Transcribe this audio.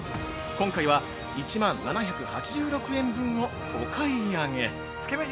今回は１万７８６円分をお買い上げ。